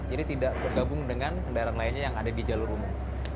jadi tidak bergabung dengan kendaraan lainnya yang ada di jalur umum